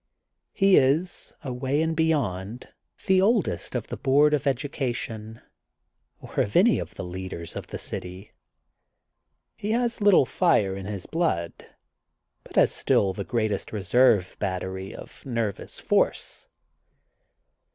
He is, away and beyond, the oldest of the Board of Education or of any of the leaders of the city. He has little fire in his blood, but has still the greatest reserve battery of nervous force.